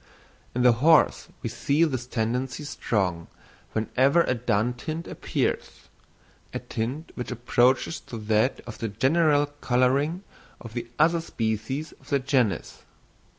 In the horse we see this tendency strong whenever a dun tint appears—a tint which approaches to that of the general colouring of the other species of the genus.